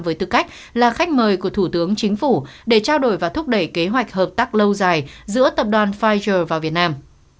với tư cách là khách mời của thủ tướng chính phủ để trao đổi và thúc đẩy kế hoạch hợp tác lâu dài giữa tập đoàn pfizer và việt nam